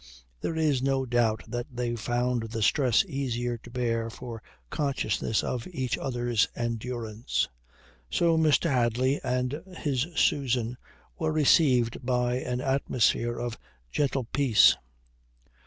There is no doubt that they found the stress easier to bear for consciousness of each other's endurance. So Mr. Hadley and his Susan were received by an atmosphere of gentle peace.